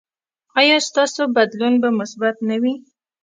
ایا ستاسو بدلون به مثبت نه وي؟